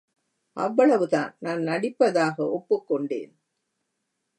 அவ்வளவுதான் நான் நடிப்பதாக ஒப்புக் கொண்டேன்.